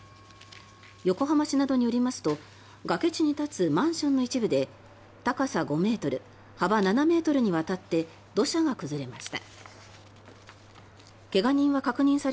横浜市などによりますと崖地に立つマンションの一部で高さ５ｍ、幅７ｍにわたって土砂が崩れました。